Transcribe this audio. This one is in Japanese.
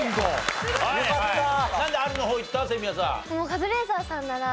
カズレーザーさんなら。